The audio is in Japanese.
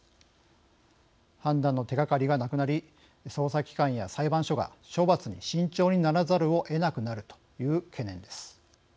判断の手がかりがなくなり捜査機関や裁判所が処罰に慎重にならざるをえなくなるという懸念です。